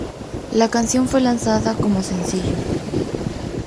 La canción fue lanzada como sencillo.